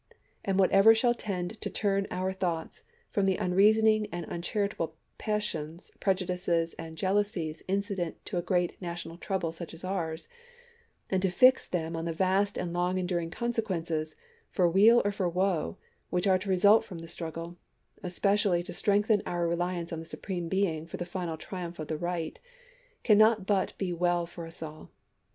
And whatever shall tend to turn our thoughts from the unreasoning and uncharitable pas sions, prejudices, and jealousies incident to a great na tional trouble such as ours, and to fix them on the vast and long enduring consequences, for weal or for woe, which are to result from the struggle, and especially to strengthen our reliance on the Supreme Being for the final triumph of the right, cannot but be well for us all.